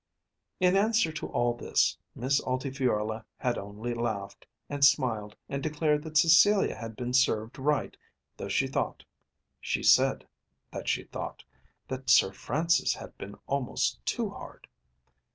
In answer to all this, Miss Altifiorla had only laughed and smiled and declared that Cecilia had been served right, though she thought, she said that she thought, that Sir Francis had been almost too hard.